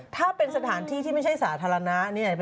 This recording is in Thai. ถ้าเป็นสถานที่ที่ไม่ใช่สาธารณะเนี่ย